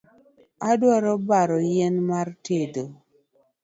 Adwa baro yien mar tedo